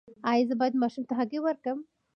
ایا زه باید ماشوم ته هګۍ ورکړم؟